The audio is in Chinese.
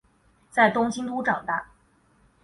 在东京都长大。